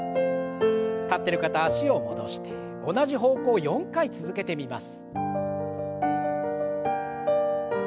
立ってる方脚を戻して同じ方向を４回続けてみます。